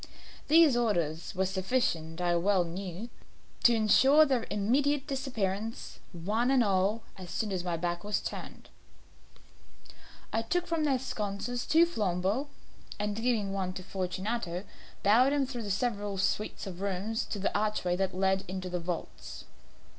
These orders were sufficient, I well knew, to insure their immediate disappearance, one and all, as soon as my back was turned. I took from their sconces two flambeaux, and giving one to Fortunato, bowed him through several suites of rooms to the archway that led into the vaults.